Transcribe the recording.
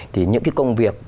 thì những cái công việc